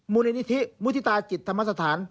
มูลนิธิมุฒิตาจิตธรรมสถาน